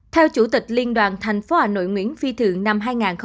theo chủ tịch liên đoàn tp hà nội nguyễn phi thường năm hai nghìn hai mươi một